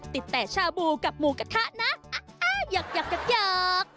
ติดแต่ชาบูกับหมูกระทะนะอยาก